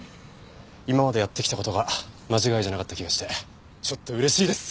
今までやってきた事が間違いじゃなかった気がしてちょっと嬉しいです！